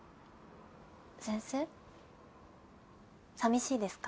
先生さみしいですか？